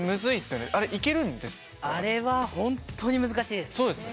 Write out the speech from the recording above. あれはほんとに難しいです。